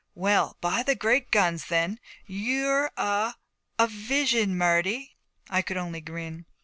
'Well, by the Great Guns then you're a a vision, Marty.' I could only grin.